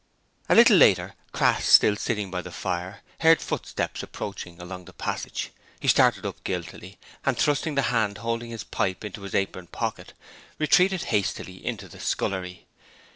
A little later, Crass, still sitting by the fire, heard footsteps approaching along the passage. He started up guiltily and, thrusting the hand holding his pipe into his apron pocket, retreated hastily into the scullery.